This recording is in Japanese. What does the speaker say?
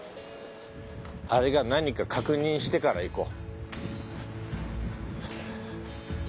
あれが何か確認してから行こう。